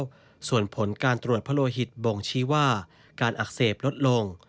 แล้วส่วนผลการตรวจพโลหิตบ่งชี้ว่าการอักเสบลดลง